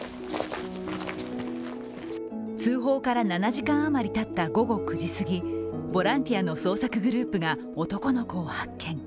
通報から７時間余りたった午後９時すぎ、ボランティアの捜索グループが男の子を発見。